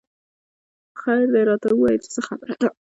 خېر دۍ راته وويه چې څه خبره ده